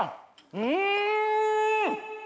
うん！